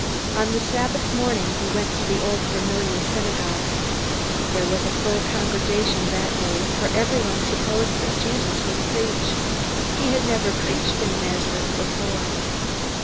On the Sabbath morning he went to the old familiar synagogue. There was a full congregation that day, for everyone supposed that Jesus would preach. He had never preached in Nazareth before.